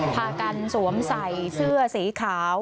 พากันสวมใส่เสื้อสีขาว